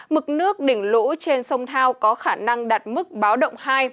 mực nước đỉnh lũ trên sông thao có khả năng đạt mức báo động hai